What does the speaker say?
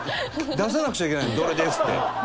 出さなくちゃいけないの「どれです」って。